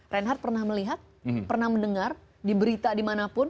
reinhardt pernah melihat pernah mendengar diberita dimanapun